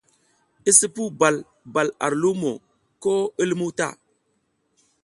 I sipuw bal bal ar lumo ko i lumuw ta.